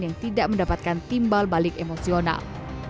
yang tidak mendapatkan timbal balik emosional